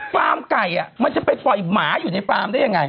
ฟาร์มไก่มันจะไปปล่อยหมาอยู่ในฟาร์มได้ยังไง